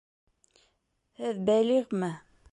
Һеҙ бәлиғме?